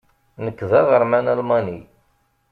Nekk d aɣerman almani.